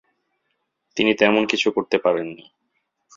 তিনি তেমন কিছু করতে পারেননি।